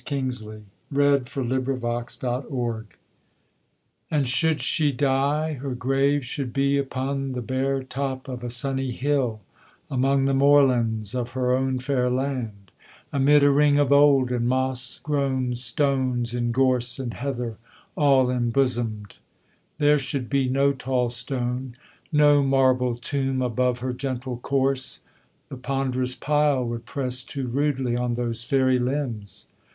Eversley, 1852, HYPOTHESES HYPOCHONDRIACAE And should she die, her grave should be Upon the bare top of a sunny hill, Among the moorlands of her own fair land, Amid a ring of old and moss grown stones In gorse and heather all embosomed. There should be no tall stone, no marble tomb Above her gentle corse; the ponderous pile Would press too rudely on those fairy limbs.